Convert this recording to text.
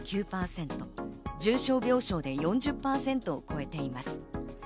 重症病床で４０％を超えています。